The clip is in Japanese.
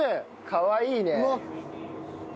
かわいいね。